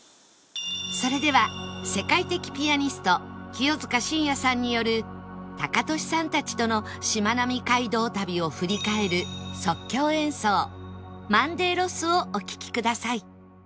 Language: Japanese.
それでは世界的ピアニスト清塚信也さんによるタカトシさんたちとのしまなみ海道旅を振り返る即興演奏『Ｍｏｎｄａｙｌｏｓｓ』をお聴きください